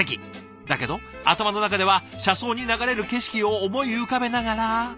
だけど頭の中では車窓に流れる景色を思い浮かべながら。